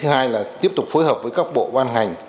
thứ hai là tiếp tục phối hợp với các bộ văn hành